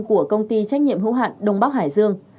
của công ty trách nhiệm hữu hạn đông bắc hải dương